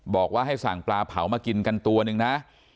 บอกว่าให้สั่งปลาเผามากินกันตัวหนึ่งนะ